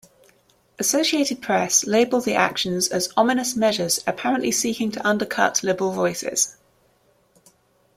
Associated Press labeled the actions as "ominous measures apparently seeking to undercut liberal voices".